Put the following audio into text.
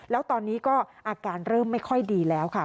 แล้วตอนนี้ก็อาการเริ่มไม่ค่อยดีแล้วค่ะ